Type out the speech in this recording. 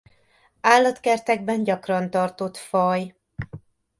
Állatkertekben gyakran tartott faj.